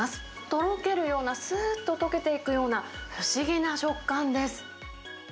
とろけるようなすーっと溶けていくような不思議な食感です。